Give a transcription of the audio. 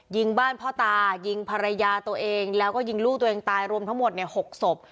ยิงบ้านพ่อตายิงภรรยาตัวเองแล้วก็ยิงลูกตัวเองตายรวมทั้งหมด๖ศพ